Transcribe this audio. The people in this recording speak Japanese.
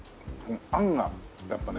あんがやっぱね